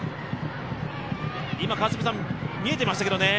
今見えてましたけどね。